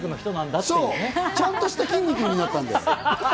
ちゃんとしたきんに君になったのよ。